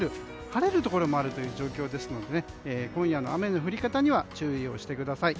晴れるところもあるという状況ですので今夜の雨の降り方には注意をしてください。